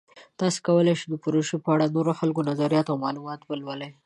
تاسو کولی شئ د پروژې په اړه د نورو خلکو نظریات او معلومات ولولئ.